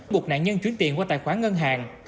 buộc nạn nhân chuyển tiền qua tài khoản ngân hàng